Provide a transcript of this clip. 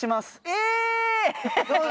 え！